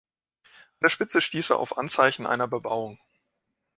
An der Spitze stieß er auf Anzeichen einer Bebauung.